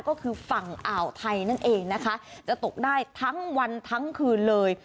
ก็คือฝั่งอ่าวไทยนั่นเองนะคะจะตกได้ทั้งวันทั้งคืนเลย